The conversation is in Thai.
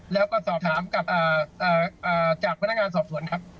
แล้วก็สอบถามกับจากพนักงานสอบสวนครับ